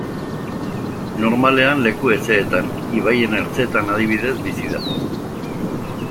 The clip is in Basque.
Normalean leku hezeetan, ibaien ertzeetan adibidez, bizi da.